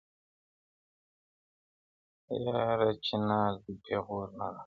یاره چنار دي پېغور نه راکوي-